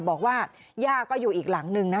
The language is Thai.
บอกว่าย่าก็อยู่อีกหลังนึงนะ